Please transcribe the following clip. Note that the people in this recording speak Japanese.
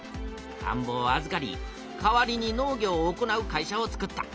たんぼをあずかり代わりに農業を行う会社を作った。